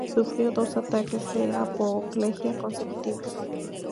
Sufrió dos ataques de apoplejía consecutivos.